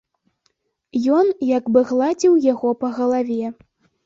Ён як бы гладзіў яго па галаве.